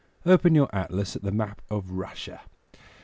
Open your atlas at the map of Russia.